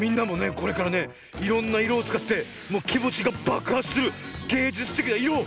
これからねいろんないろをつかってもうきもちがばくはつするげいじゅつてきないろをつくってみてくれ！